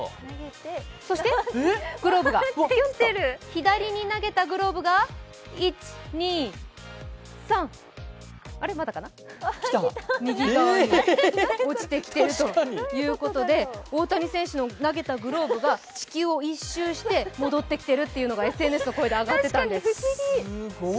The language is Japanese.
左に投げたグローブが１、２、３右側に落ちてきてるということで大谷選手の投げたグローブが地球を一周して戻ってきているというのがＳＮＳの声で上がってたんです。